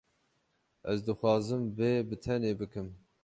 Ez dixwazim vê bi tenê bikim.